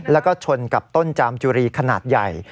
แล้วก็ชนกับต้นจามจุรีขนาดใหญ่